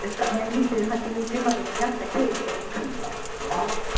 ２８日生まれになった経緯というか。